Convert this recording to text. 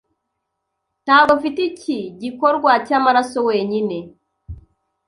Ntabwo mfite iki gikorwa cyamaraso wenyine